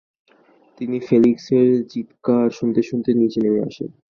তিনি ফেলিক্সের চিত্কার শুনতে শুনতে নিচে নেমে আসেন।